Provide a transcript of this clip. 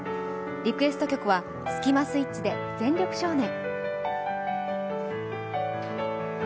リクエスト曲はスキマスイッチで「全力少年」。